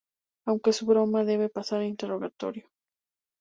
Aunque es una broma, debe pasar un interrogatorio.